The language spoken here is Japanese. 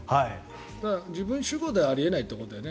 自分主語ではあり得ないということだよね。